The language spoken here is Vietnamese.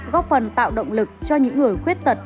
góp phần tạo động lực cho những người khuyết tật